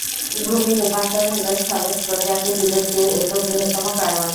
ভূমি রূপান্তর হলো স্থলজ প্রজাতি বিলুপ্তির একক বৃহত্তম কারণ।